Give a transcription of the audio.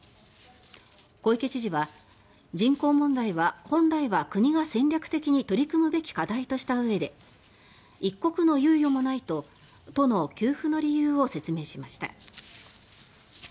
小池知事は「人口問題は本来は国が戦略的に取り組むべき課題」としたうえで「一刻の猶予もない」と都の給付の理由を説明しました。